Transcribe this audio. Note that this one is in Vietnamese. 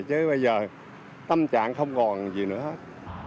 chứ bây giờ tâm trạng không còn gì nữa hết